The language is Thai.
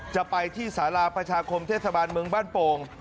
จะไปที่สาราประชาคมเทศบาลเมืองบ้านโป่ง